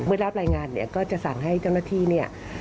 เมื่อรับรายงานก็จะสั่งให้เจ้าหน้าที่